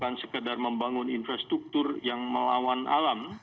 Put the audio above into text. bukan sekedar membangun infrastruktur yang melawan alam